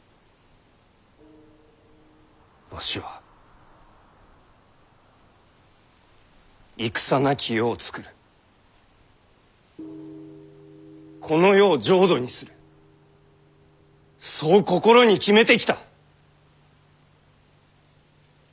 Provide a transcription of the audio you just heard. わしは戦なき世を作るこの世を浄土にするそう心に決めてきた！